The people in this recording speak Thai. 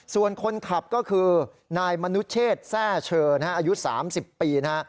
ส่วนคนขับก็คือนายมนุเชษแทร่เชออายุ๓๐ปีนะฮะ